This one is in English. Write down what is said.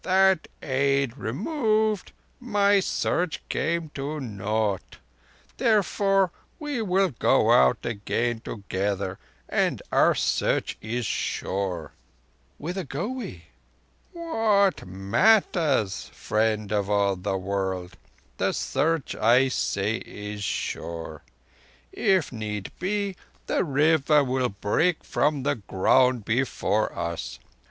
That aid removed, my Search came to naught. Therefore we will go out again together, and our Search sure." "Whither go we?" "What matters, Friend of all the World? The Search, I say, is sure. If need be, the River will break from the ground before us.